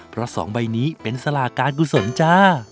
เพราะ๒ใบนี้เป็นสลากการกุศลจ้า